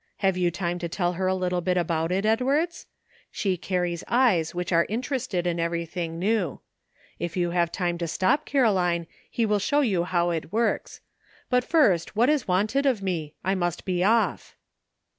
Have you time to tell her a little about it, Edwards ? She carries eyes which are interested in everything new. If you have time to stop, Caroline, he will show you how it works. But first, what is wanted of me? I must be off."